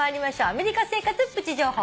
アメリカ生活プチ情報。